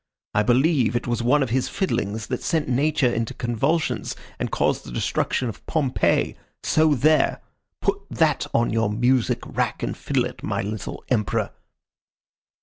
I believe it was one of his fiddlings that sent Nature into convulsions and caused the destruction of Pompeii so there! Put that on your music rack and fiddle it, my little Emperor."